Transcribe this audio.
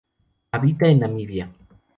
Habita en Namibia.